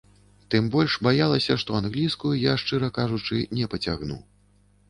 Тым больш, баялася, што англійскую я, шчыра кажучы, не пацягну.